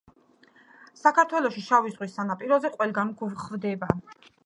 საქართველოში შავი ზღვის სანაპიროზე ყველგან გვხვდება.